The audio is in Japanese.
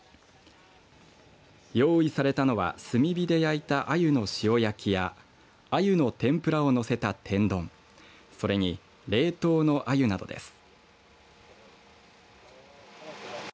用意されたのは炭火で焼いたあゆの塩焼きやあゆの天ぷらを載せた天丼、それに冷凍のあゆなどです。